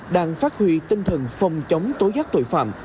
đang phát huy tinh thần phòng chống tối giác tội phạm